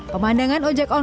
pemandangan ojek online berikut